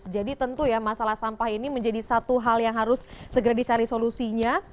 jadi tentu ya masalah sampah ini menjadi satu hal yang harus segera dicari solusinya